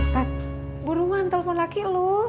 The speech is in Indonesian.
tat buruan telepon lagi lu